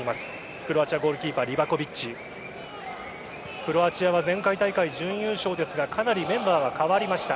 クロアチアは前回大会準優勝ですがかなりメンバーは代わりました。